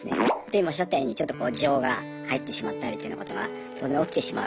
今おっしゃったようにちょっと情が入ってしまったりというようなことは当然起きてしまう。